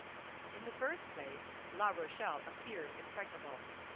In the first place, La Rochelle appeared impregnable.